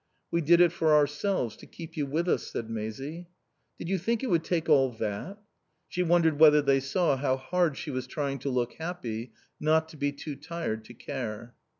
"We did it for ourselves. To keep you with us," said Maisie. "Did you think it would take all that?" She wondered whether they saw how hard she was trying to look happy, not to be too tired to care.